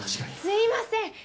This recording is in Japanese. すいません